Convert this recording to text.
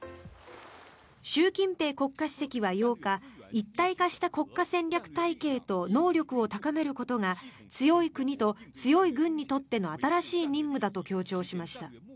習近平国家主席は８日一体化した国家戦略体系と能力を高めることが強い国と強い群にとっての新しい任務だと強調しました。